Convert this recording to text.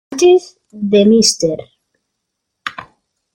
Antes de Mr.